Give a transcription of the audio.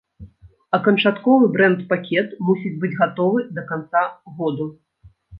А канчатковы брэнд-пакет мусіць быць гатовы да канца году.